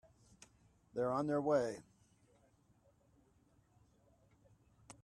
They're on their way.